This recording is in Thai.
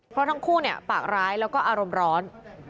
เพราะทั้งคู่ปากร้ายแล้วก็อารมณ์ร้อน